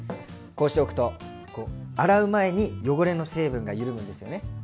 こうしておくと洗う前に汚れの成分が緩むんですよね。